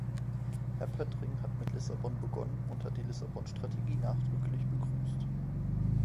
Herr Poettering hat mit Lissabon begonnen und hat die Lissabon-Strategie nachdrücklich begrüßt.